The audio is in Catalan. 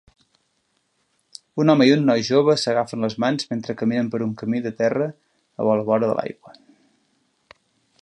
Un home i un noi jove s'agafen les mans mentre caminen per un camí de terra a la vora de l'aigua